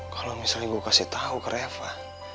kalau misalnya gue kasih tau ke reva